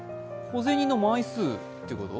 小銭の枚数ってこと？